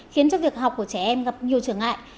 khiến cho việc học của trẻ em gặp nhiều trở ngại